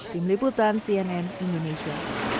tim liputan cnn indonesia